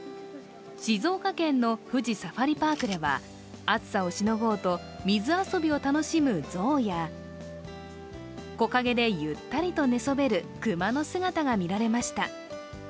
静岡県の富士サファリパークでは暑さをしのごうと、水遊びを楽しむ象や木陰でゆったりと寝そべる熊の姿が見られました。